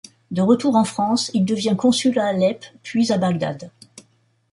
De retour en France, il devient consul à Alep, puis à Bagdad.